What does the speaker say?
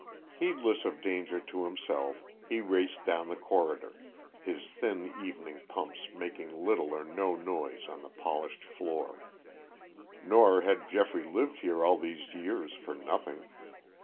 Heedless of danger to himself he raced down the corridor, his thin evening pumps making little or no noise on the polished floor. Nor had Geoffrey lived here all these years for nothing.